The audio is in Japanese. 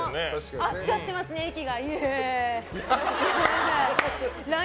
合っちゃってますね、息が。